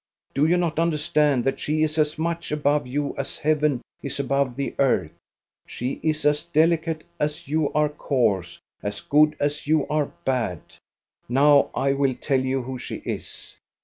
Do you not understand that she is as much above you as heaven is above the earth ? She is as delicate as you are coarse ; as good you are bad. " Now I will tell you who she is.